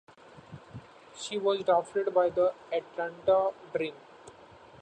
She was drafted by the Atlanta Dream.